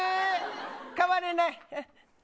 代われない。